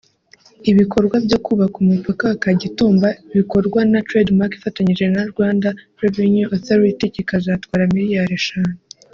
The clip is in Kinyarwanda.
Ibikorwa byo kubaka umupaka wa Kagitumba bikorwa na Trade Mark ifatanyije na Rwanda Revenue Authority kikazatwara miliyari eshanu